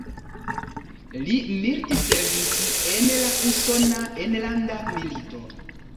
Li militservis en la Usona Enlanda Milito.